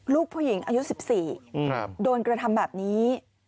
ลูกผู้หญิงอายุ๑๔โดนกระทำแบบนี้